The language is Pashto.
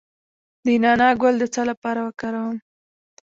د نعناع ګل د څه لپاره وکاروم؟